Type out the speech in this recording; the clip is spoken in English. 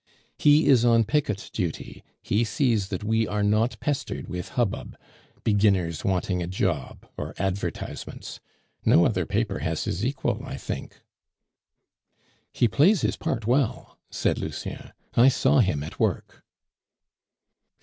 He is on picket duty; he sees that we are not pestered with hubbub, beginners wanting a job, or advertisements. No other paper has his equal, I think." "He plays his part well," said Lucien; "I saw him at work."